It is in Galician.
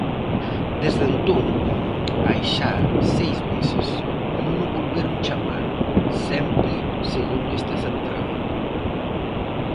Desde entón, hai xa seis meses, non o volveron chamar, sempre segundo esta central.